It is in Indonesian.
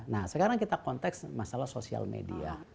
nah sekarang kita konteks masalah sosial media